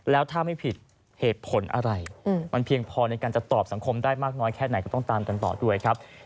แล้วถ้าไม่ผิดเหตุผลอะไรมันเพียงพอในการจะตอบสังคมได้มากน้อยแค่ไหนก็ต้องตามกันต่อด้วยครับ